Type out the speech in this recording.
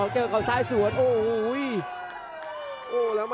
ชาเลน์